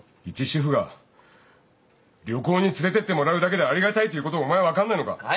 一主婦が旅行に連れてってもらうだけでありがたいということお前分かんないのか。